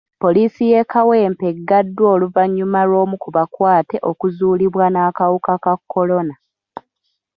Poliisi y'e Kawempe eggaddwawo oluvannyuma lw'omu ku bakwate okuzuulibwa n'akawuka ka kolona.